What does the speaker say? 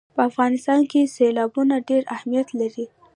په افغانستان کې سیلابونه ډېر اهمیت لري.